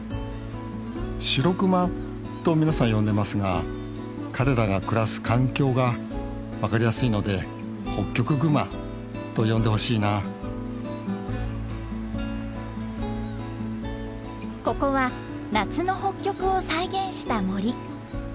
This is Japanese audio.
シロクマと皆さん呼んでますが彼らが暮らす環境が分かりやすいのでホッキョクグマと呼んでほしいなここは夏の北極を再現した森。